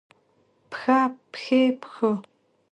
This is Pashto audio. پښه ، پښې ، پښو